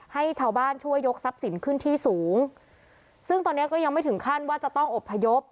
ให้ชาวบ้านช่วยยกทรัพย์สินขึ้นที่สูงซึ่งตอนเนี้ยก็ยังไม่ถึงขั้นว่าจะต้องอบพยพ